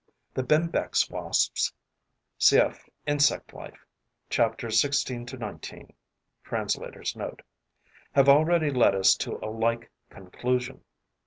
The Bembex wasps (Cf. "Insect Life": chapters 16 to 19. Translator's Note.) have already led us to a like conclusion.